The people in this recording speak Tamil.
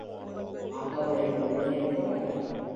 ஆக, விளைவு மும்முனைப் போராட்டம்.